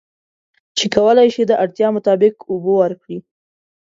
چې کولی شي د اړتیا مطابق اوبه ورکړي.